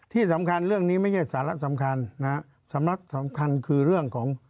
ที่สำคัญเรื่องนี้ไม่ใช่สาระสำคัญนะฮะสำนักสำคัญคือเรื่องของ